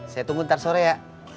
saya tunggu ntar sore ya